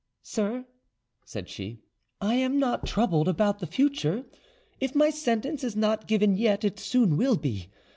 "Sir," she said, "I am not troubled about the future. If my sentence is not given yet, it soon will be.